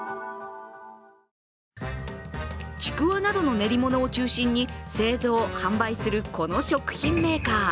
ちくわなどの練り物を中心に製造・販売する、この食品メーカー。